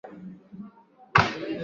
Usingizi umeniishia